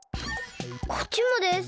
こっちもです。